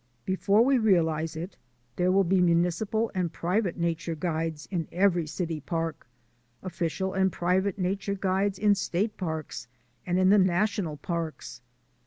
Before we realize it there will be municipal and private nature guides in every city park; official and private nature guides in state parks and in the national parks.